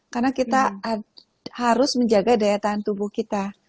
karena kita harus menjaga daya tahan tubuh kita